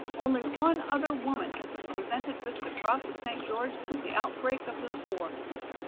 Only one other woman has been presented with the Cross of St. George since the outbreak of this war.